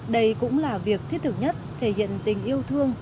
đây cũng là việc thiết thực nhất thể hiện tình yêu thương